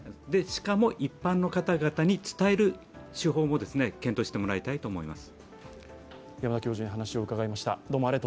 しかも一般の方々に伝える手法も検討してもらいたいと思います。